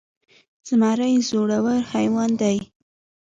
زمری زړور حيوان دی.